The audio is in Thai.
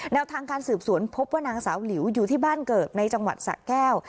ทางการสืบสวนพบว่านางสาวหลิวอยู่ที่บ้านเกิดในจังหวัดสะแก้ว